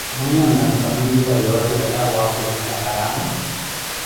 mweyo nlamu ka mwinjuwa yoori olawa wa akulukala haramuh?